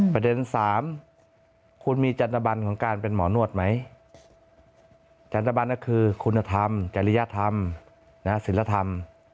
ประเด็น๓คุณมีจันตบันของการเป็นหมอนวดไหมจันตบันก็คือคุณธรรมจริยธรรมศิลธรรม